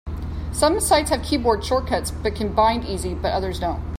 Some sites have keyboard shortcuts you can bind easily, but others don't.